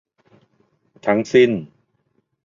ทั้งสิ้น